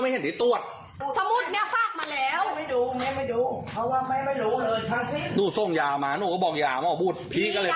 หนูส่งยามาหนูก็บอกยามอบุฏพี่ก็เลยตามอบุฏ